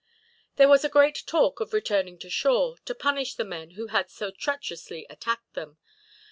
There was a great talk of returning to shore, to punish the men who had so treacherously attacked them.